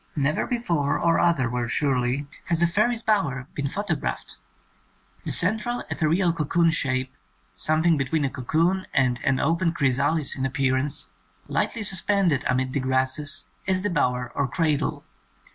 Never before, or otherwhere, surely, has a fairy's bower been photographed! The central ethereal cocoon shape, some thing between a cocoon and an open chrysa lis in appearance, lightly sus23ended amid the grasses, is the bower or cradle.